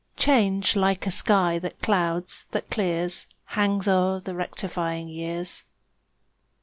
Change, like a sky that clouds, that clears, Hangs o'er the rectifying years.